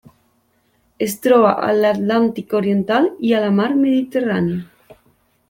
Es troba a l'Atlàntic oriental i a la Mar Mediterrània.